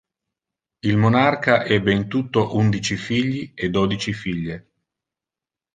Il monarca ebbe in tutto undici figli e dodici figlie.